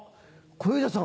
小遊三さん。